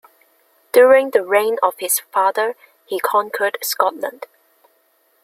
During the reign of his father, he conquered Scotland.